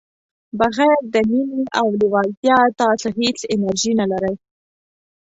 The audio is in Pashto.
بغير د مینې او لیوالتیا تاسو هیڅ انرژي نه لرئ.